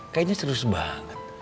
kayaknya serius banget